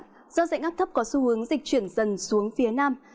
do dạnh áp thấp có xu hướng dịch chuyển dần xuống phía nam